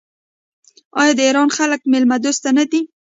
آیا د ایران خلک میلمه دوست نه دي؟